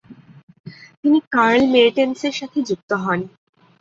তিনি কার্ল মের্টেন্সের সাথে যুক্ত হন।